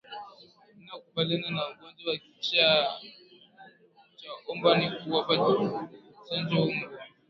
Namna ya kukabiliana na ugonjwa wa kichaa cha mbwa ni kuwapa chanjo mbwa